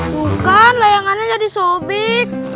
bukan layangannya jadi sobek